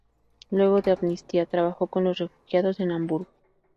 Luego de amnistía trabajo con los refugiados en Hamburgo.